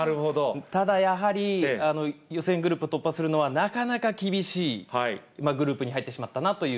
ただやはり、予選グループを突破するのはなかなか厳しいグループに入ってしま